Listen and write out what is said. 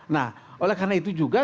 nah oleh karena itu juga